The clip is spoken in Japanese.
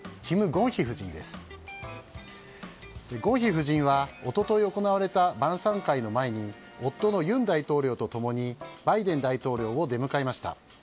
ゴンヒ夫人は一昨日行われた晩さん会の前に夫の尹大統領と共にバイデン大統領を出迎えました。